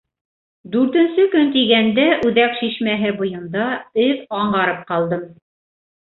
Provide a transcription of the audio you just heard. Дүртенсе көн тигәндә, үҙәк шишмәһе буйында эҙ аңғарып ҡалдым.